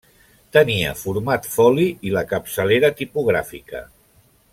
Tenia format foli i la capçalera tipogràfica.